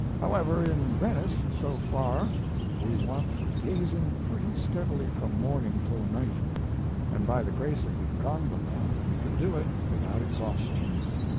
However, in Venice so far we want to be gazing pretty steadily from morning till night, and by the grace of the gondola we can do it without exhaustion.